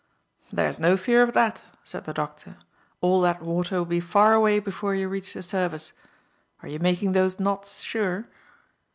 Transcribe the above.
"There's no fear of that," said the doctor; "all that water will be far away before you reach the surface. Are you making those knots sure?"